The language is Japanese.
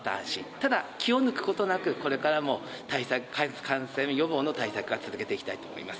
ただ気を抜くことなく、これからも感染予防の対策は続けていきたいと思います。